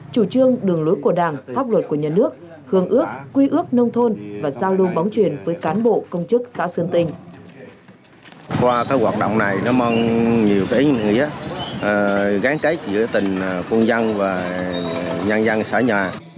chủ trương đường lối của đảng pháp luật của nhà nước hương ước quy ước nông thôn và giao lưu bóng truyền với cán bộ công chức xã sơn tinh